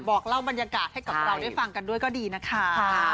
บอกเล่าบรรยากาศให้กับเราได้ฟังกันด้วยก็ดีนะคะ